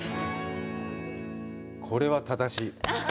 これは正しい。